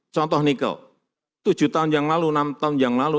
contoh nikel tujuh tahun yang lalu enam tahun yang lalu